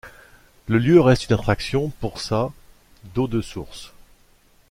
Le lieu reste une attraction pour sa d'eau de source.